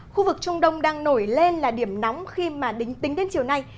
khu vực trung đông đang nổi lên là điểm nóng khi mà đính tính đến chiều nay